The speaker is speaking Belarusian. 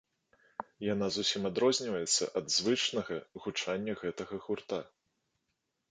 Яна зусім адрозніваецца ад звычнага гучання гэтага гурта.